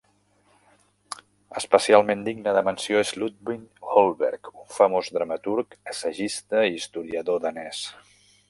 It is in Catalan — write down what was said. Especialment digne de menció és Ludvig Holberg, un famós dramaturg, assagista i historiador danès.